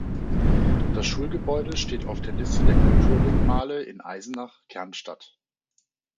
Das Schulgebäude steht auf der Liste der Kulturdenkmale in Eisenach (Kernstadt).